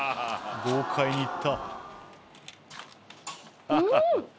豪快にいった。